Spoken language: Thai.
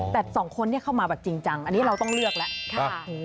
แต่สองคนนี้เข้ามาแบบจริงจังอันนี้เราต้องเลือกแล้ว